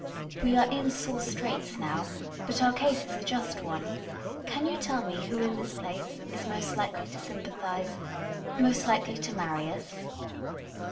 " We are in sore straits now, but our case is a just one. Can you tell me who in this place is most likely to sympathise — most likely to marry us